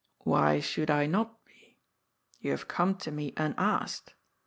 "Why should I not be? You have come to me un asked.